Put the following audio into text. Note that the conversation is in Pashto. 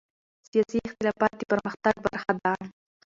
سیاسي اختلاف د پرمختګ برخه ده